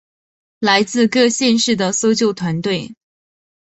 来自各县市的搜救团队